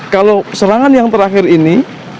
kalau serangan yang terakhir ini